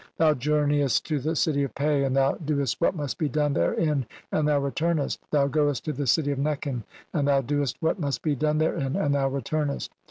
"Thou journeyest to the city of Pe, and thou doest "what must be done therein and thou returnest; thou "goest to the city of Nekhen and thou doest what "must be done therein and thou returnest.